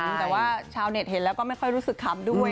แต่ว่าชาวเน็ตเห็นแล้วก็ไม่ค่อยรู้สึกขำด้วย